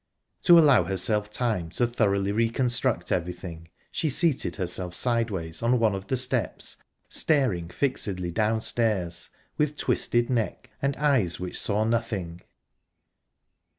To allow herself time to thoroughly reconstruct everything, she seated herself sideways on one of the steps, staring fixedly downstairs, with twisted neck and eyes which saw nothing...